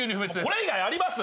これ以外あります？